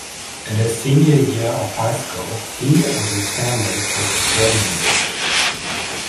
In his senior year of high school, he and his family moved to Germany.